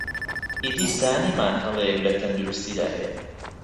ئیدی زانیمان هەڵەیەک لە تەندروستیدا هەیە